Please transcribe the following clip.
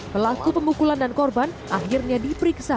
pelaku pemukulan dan korban akhirnya diperiksa